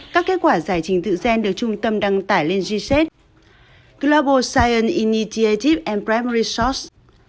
các kết quả giải trình tự gen được trung tâm đăng tải lên g shed global science initiative and primary source